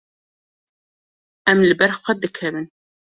Em li ber xwe dikevin.